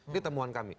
ini temuan kami